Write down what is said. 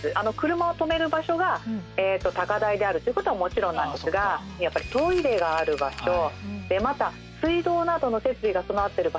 車を止める場所が高台であるっていうことはもちろんなんですがやっぱりトイレがある場所でまた水道などの設備が備わってる場所っていうのが最適なんですね。